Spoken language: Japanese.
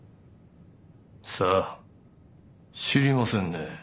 さあ知りませんね。